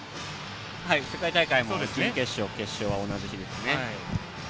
世界大会も準決勝、決勝は同じ日ですね。